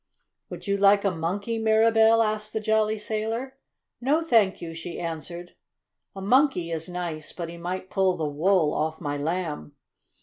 "Would you like a monkey, Mirabell?" asked the jolly sailor. "No, thank you," she answered. "A monkey is nice, but he might pull the wool off my Lamb."